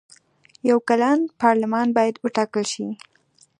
یو کلن پارلمان باید وټاکل شي.